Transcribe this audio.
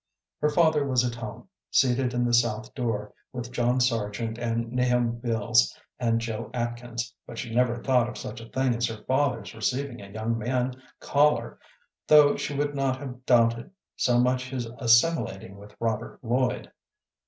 Her father was at home, seated in the south door with John Sargent and Nahum Beals and Joe Atkins, but she never thought of such a thing as her father's receiving a young man caller, though she would not have doubted so much his assimilating with Robert Lloyd.